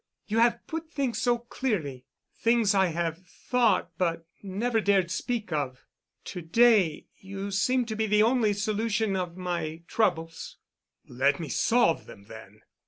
You have put things so clearly—things I have thought but have never dared speak of. To day you seem to be the only solution of my troubles——" "Let me solve them then."